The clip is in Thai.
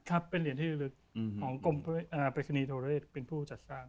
ครับเป็นเหรียญที่ระลึกของกรมปริศนีโทรเรศเป็นผู้จัดสร้าง